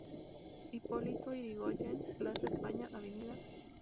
Hipólito Yrigoyen- Plaza España- Av.